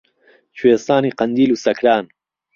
کوێستانی قەندیل و سەکران